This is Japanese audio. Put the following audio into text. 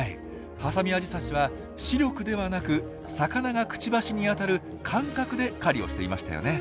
ハサミアジサシは「視力」ではなく魚がクチバシに当たる「感覚」で狩りをしていましたよね。